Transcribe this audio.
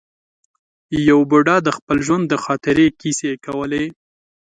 یو بوډا د خپل ژوند د خاطرې کیسې کولې.